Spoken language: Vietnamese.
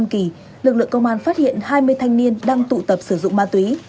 trước khi kiểm tra khách sạn bảo long lực lượng công an phát hiện hai mươi thanh niên đang tụ tập sử dụng ma túy